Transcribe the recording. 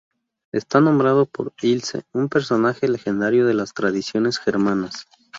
Está nombrado por Ilse, un personaje legendario de las tradiciones germanas.